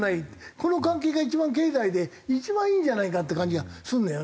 この関係が一番経済で一番いいんじゃないかって感じがするんだよ